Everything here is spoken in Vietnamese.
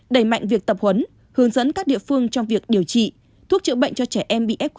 đẩy mạnh việc tập huấn hướng dẫn các địa phương trong việc điều trị thuốc chữa bệnh cho trẻ em bị f một